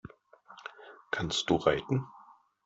Kannst du reiten?